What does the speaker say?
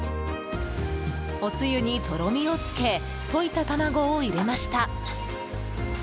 おつゆにとろみをつけ溶いた卵を入れました。